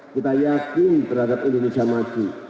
kita yakin terhadap indonesia maju